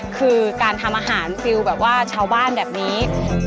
คือการทำอาหารฟิลแบบว่าชาวบ้านแบบนี้